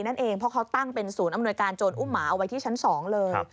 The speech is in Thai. นั่นเองเพราะเขาตั้งเป็นศูนย์อำนวยการโจรอุ้มหมาเอาไว้ที่ชั้น๒เลย